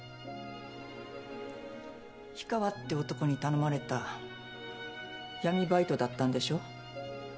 氷川って男に頼まれた闇バイトだったんでしょ？